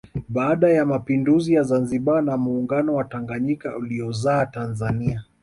Baada ya mapinduzi ya Zanzibar na muungano na Tanganyika uliozaa Tanzania